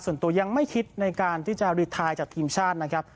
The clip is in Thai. ส่วนตัวยังไม่คิดในการที่จะรีไทนจากทีมชาตินะครับ